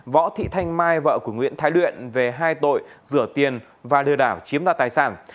võ thị thanh mai vợ của nguyễn thái luyện về hai tội rửa tiền và lừa đảo chiếm đoạt tài sản